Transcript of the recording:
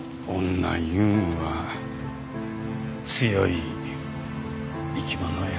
女いうんは強い生き物やな。